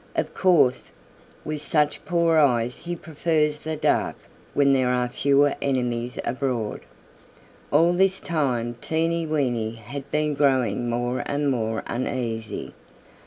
Of course, with such poor eyes he prefers the dark when there are fewer enemies abroad." All this time Teeny Weeny had been growing more and more uneasy.